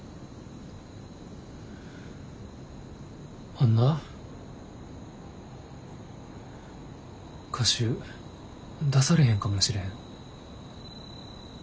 あんな歌集出されへんかもしれん。